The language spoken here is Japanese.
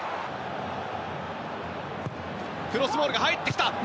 クロスボールが入ってきた。